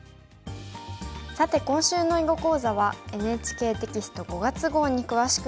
さて今週の囲碁講座はＮＨＫテキスト５月号に詳しく載っています。